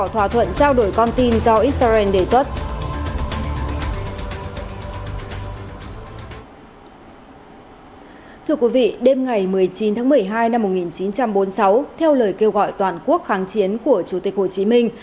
thưa quý vị đêm ngày một mươi chín tháng một mươi hai năm một nghìn chín trăm bốn mươi sáu theo lời kêu gọi toàn quốc kháng chiến của chủ tịch hồ chí minh